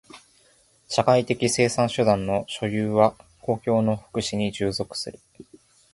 社会的生産手段の所有は公共の福祉に従属する。